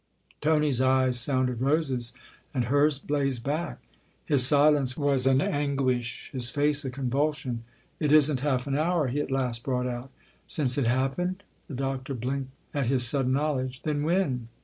Tony's eyes sounded Rose's, and hers blazed back. His silence was an anguish, his face a convulsion. " It isn't half an hour," he at last brought out. " Since it happened ?" The Doctor blinked at his sudden knowledge. " Then when